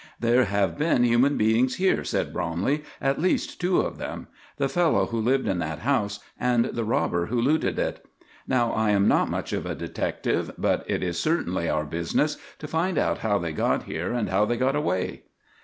"There have been human beings here," said Bromley; "at least two of them: the fellow who lived in that house, and the robber who looted it. Now I am not much of a detective, but it is certainly our business to find out how they got here and how they got away."